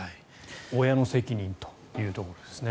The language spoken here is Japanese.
親の責任というところですね。